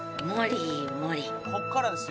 「ここからですよ」